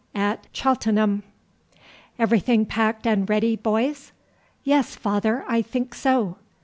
AT CHELTENHAM. "Everything packed and ready, boys?" "Yes, father, I think so."